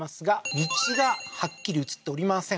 道がはっきり映っておりません